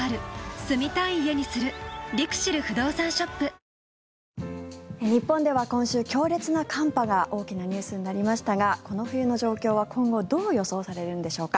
東京海上日動日本では今週強烈な寒波が大きなニュースになりましたがこの冬の状況は、今後どう予想されるんでしょうか。